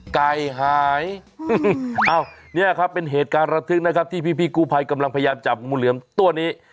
ไก่หายเนี่ยครับเป็นเหตุการณ์ระทึกนะครับที่พี่กู้ภัยกำลังพยายามจับงูเหลือมตัวนี้